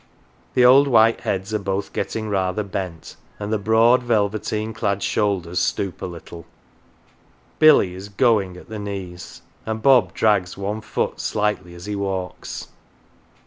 The old white heads are both getting rather bent and the broad velveteen clad shoulders stoop a little; Billy is "go ing " at the knees, and Bob drags one foot slightly as he walks.